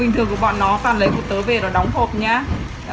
bình thường của bọn nó toàn lấy của tớ về đó đóng hộp nha